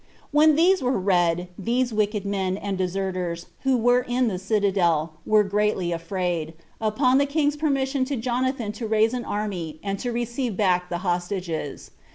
When these were read, these wicked men and deserters, who were in the citadel, were greatly afraid, upon the king's permission to Jonathan to raise an army, and to receive back the hostages.